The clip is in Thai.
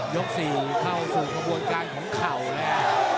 ยก๔เข้าสู่ข้างบนกลางของเข่าแล้ว